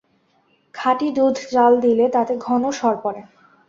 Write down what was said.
খাঁটি দুধ জ্বাল দিলে তাতে ঘন সর পড়ে।